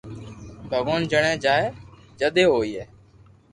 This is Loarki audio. ڀگوان جڻي چائي جدي ھوئي